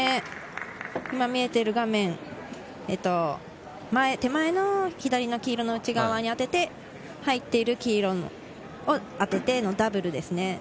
今、見えている画面、手前の左の黄色の内側に当てて入っている黄色、そのダブルですね。